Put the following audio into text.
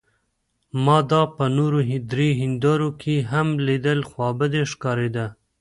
ما دا په نورو درې هندارو کې هم لیدل، خوابدې ښکارېده.